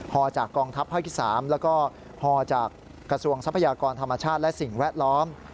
จากกองทัพภาคที่๓แล้วก็ฮอจากกระทรวงทรัพยากรธรรมชาติและสิ่งแวดล้อม